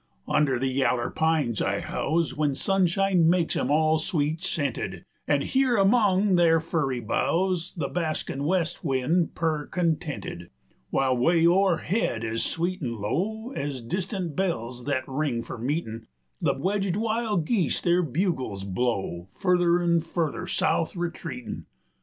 Under the yaller pines I house, When sunshine makes 'em all sweet scented, 90 An' hear among their furry boughs The baskin' west wind purr contented, While 'way o'erhead, ez sweet an' low Ez distant bells thet ring for meetin', The wedged wil' geese their bugles blow, 95 Further an' further South retreatin'.